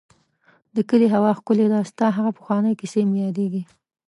د کلي هوا ښکلې ده ، ستا هغه پخوانی کيسې مې ياديږي.